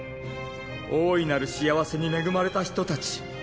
大いなる幸せに恵まれた人たち。